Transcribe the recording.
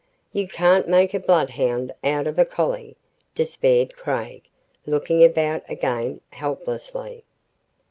"You can't make a bloodhound out of a collie," despaired Craig, looking about again helplessly.